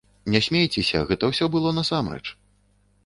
Не смейцеся, гэта ўсё было насамрэч.